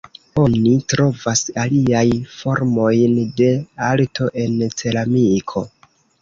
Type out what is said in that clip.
Oni trovas aliaj formojn de arto en ceramiko.